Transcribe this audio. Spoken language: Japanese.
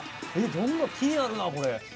どんな気になるなこれ。